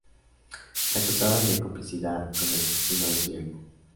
La acusaban de complicidad con el asesino de su yerno.